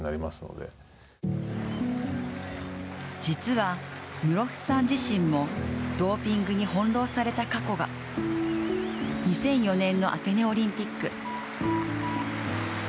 実は室伏さん自身もドーピングに翻弄された過去が２００４年のアテネオリンピック。